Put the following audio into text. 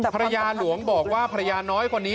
ภรรยาหลวงบอกว่าภรรยาน้อยคนนี้